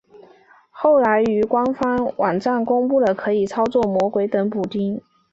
后来于官方网站公布了可以操作魔兽等补丁。